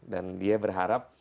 dan dia berharap